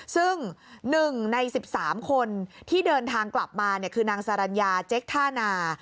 ซึ่ง๑ใน๑๓คนที่เดินทางกลับมาคือนางสรรญาเจ๊กท่านา